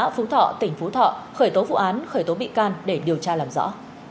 phú thọ tỉnh phú thọ khởi tố vụ án khởi tố bị can để điều tra làm rõ